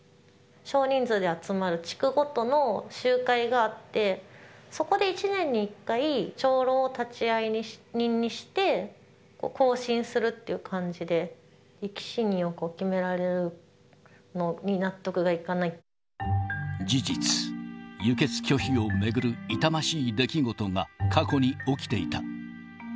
少人数で集まる地区ごとの集会があって、そこで１年に１回、長老を立会人にして、更新するっていう感じで、生き死にを決めら事実、輸血拒否を巡る痛ましい出来事が、過去に起きていた。